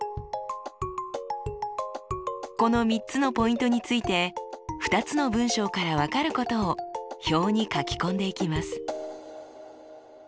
この３つのポイントについて２つの文章から分かることを表に書き込んでいきます。